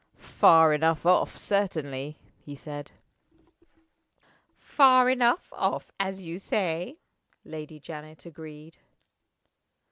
"Far enough off, certainly," he said. "Far enough off, as you say," Lady Janet agreed.